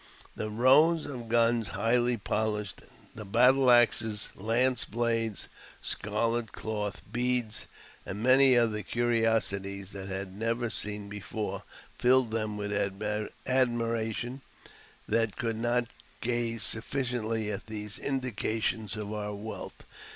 The rows of guns highly polished, the battle axes, lance blades, scarlet cloth, beads, and many curiosities they had never seen before, filled them with admiration; they could not gaze sufiiciently at these indications of our wealth.